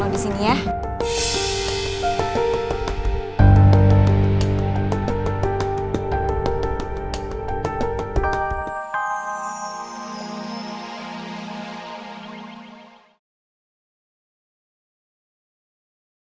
gue gak salah denger